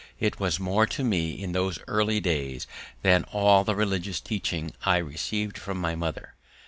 It was more to me in those early days than all the religious teaching I received from my mother.